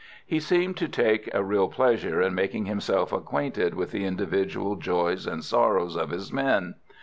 He seemed to take a real pleasure in making himself acquainted with the individual joys and sorrows of his men.